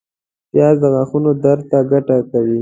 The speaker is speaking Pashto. پیاز د غاښونو درد ته ګټه کوي